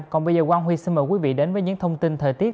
còn bây giờ quang huy xin mời quý vị đến với những thông tin thời tiết